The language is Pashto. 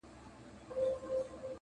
هر ماښام به رنگ په رنگ وه خوراكونه-